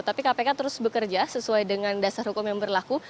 tapi kpk terus bekerja sesuai dengan dasar hukum yang berlaku